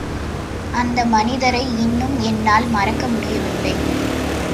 அந்த மனிதரை இன்னும் என்னால் மறக்கமுடியவில்லை.